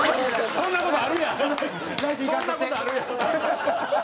そんな事あるやん！